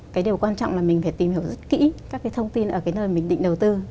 cái điều quan trọng là mình phải tìm hiểu rất kỹ các cái thông tin ở cái nơi mình định đầu tư